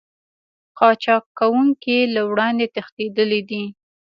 قاچاق کوونکي له وړاندې تښتېدلي دي